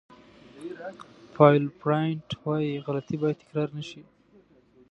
پایول براینټ وایي غلطۍ باید تکرار نه شي.